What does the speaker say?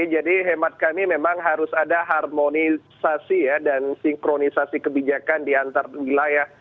jadi hemat kami memang harus ada harmonisasi dan sinkronisasi kebijakan di antar wilayah